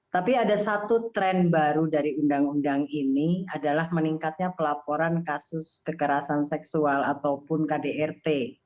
tapi ada satu tren baru dari undang undang ini adalah meningkatnya pelaporan kasus kekerasan seksual ataupun kdrt